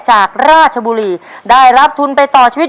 จากราชบุรีได้รับทุนไปต่อชีวิต